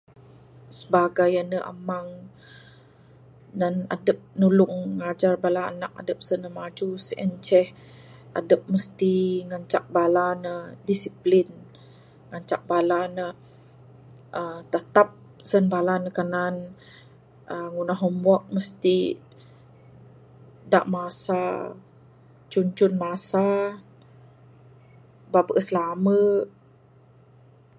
Sibagai ande amang nan adep nulung ngajar bala anak adep sen ne maju sien ceh adep mesti ngancak bala ne discipline, ngancak bala ne aaa tatap. Sen bala ne kanan aaa ngundah homework mesti da masa, cun cun masa. Ba bees lambe.